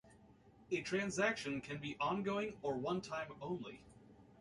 A transaction can be ongoing, or one-time only.